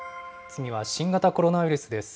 次は新型コロナウイルスです。